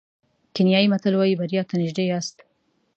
کینیايي متل وایي بریا ته نژدې یاست.